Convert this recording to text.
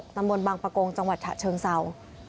ตำบลบางปะโกงจังหวัดฉะเชิงเศร้า